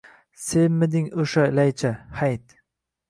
– Senmiding o‘sha laycha? Hayt!